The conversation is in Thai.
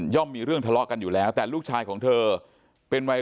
มีเรื่องทะเลาะกันอยู่แล้วแต่ลูกชายของเธอเป็นวัย